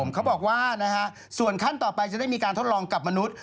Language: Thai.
เขาบอกว่าส่วนขั้นต่อไปจะได้มีการทดลองกับมนุษย